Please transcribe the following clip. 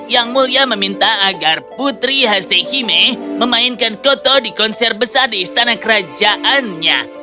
yang mulia meminta agar putri hasehime memainkan koto di konser besar di istana kerajaannya